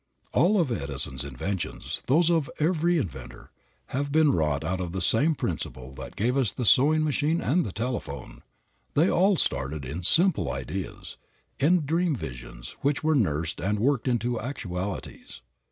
All of Edison's inventions, those of every inventor, have been wrought out on the same principle that gave us the sewing machine and the telephone. They all started in simple ideas, in dream visions which were nursed and worked into actualities.